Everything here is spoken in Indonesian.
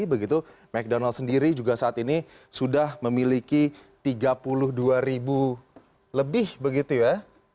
begitu ⁇ mcdonald sendiri juga saat ini sudah memiliki tiga puluh dua ribu lebih begitu ya